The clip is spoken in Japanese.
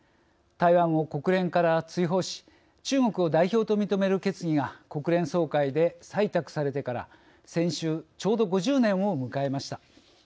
台湾を国連から追放し中国を代表と認める決議が国連総会で採択されてから先週ちょうど５０年を迎えました。